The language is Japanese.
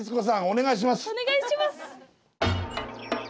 お願いします。